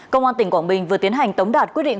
cơ quan tỉnh quảng bình vừa tiến hành tống đạt quyết định